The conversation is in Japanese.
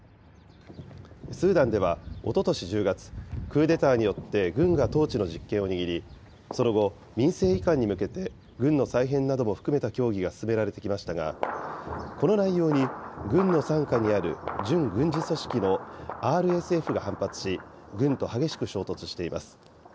スーダンではおととし１０月、クーデターによって軍が統治の実権を握り、その後、民政移管に向けて、軍の再編なども含めた協議が進められてきましたが、この内容に軍の傘下にある準軍事組織のＲＳＦが反発し、軍と激しく衝突しています。